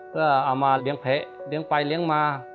ก็เอามาเลี้ยงเพะเลี้ยงไปเลี้ยงมา